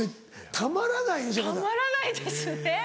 たまらないですね。